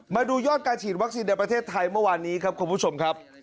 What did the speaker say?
มาดูยอดการฉีดวัคซีนในประเทศไทยเมื่อวานนี้ครับคุณผู้ชมครับ